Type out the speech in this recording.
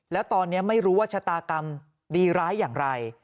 แล้วตอนนี้ไม่รู้ว่าชะตากรรมดีร้ายอย่างไร